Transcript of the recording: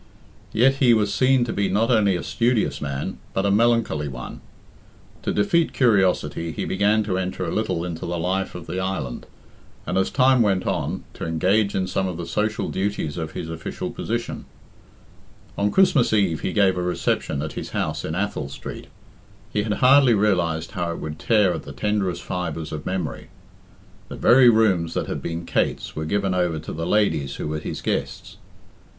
Yet he was seen to be not only a studious man, but a melancholy one. To defeat curiosity, he began to enter a little into the life of the island, and, as time went on, to engage in some of the social duties of his official position. On Christmas Eve he gave a reception at his house in Athol Street. He had hardly realised how it would tear at the tenderest fibres of memory. The very rooms that had been Kate's were given over to the ladies who were his guests.